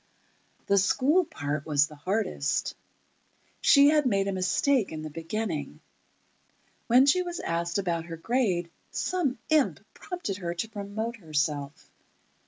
The school part was the hardest. She had made a mistake in the beginning: When she was asked about her grade, some imp prompted her to promote herself.